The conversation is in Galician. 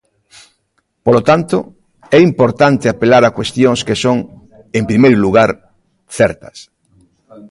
Polo tanto, é importante apelar a cuestións que son, en primeiro lugar, certas.